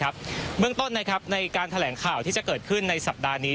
เบื้องต้นในการแถลงข่าวที่จะเกิดขึ้นในสัปดาห์นี้